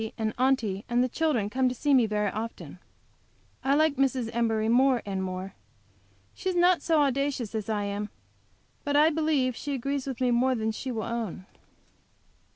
and Aunty and the children come to see me very often. I like Mrs. Embury more and more. She is not so audacious as I am, but I believe she agrees with me more than she will own.